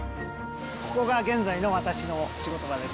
ここが現在の私の仕事場です。